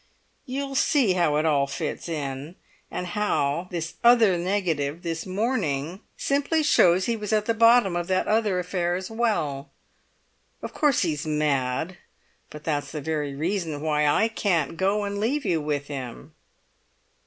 You'd see how it all fits in, and how this other negative this morning simply shows he was at the bottom of that other affair as well! Of course he's mad; but that's the very reason why I can't go and leave you with him."